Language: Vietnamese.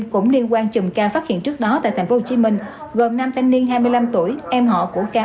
cũng liên quan chùm ca phát hiện trước đó tại tp hcm gồm nam thanh niên hai mươi năm tuổi em họ của ca